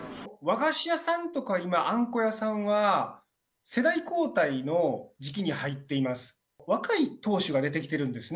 和菓子屋さんとか、今、あんこ屋さんは、世代交代の時期に入っています。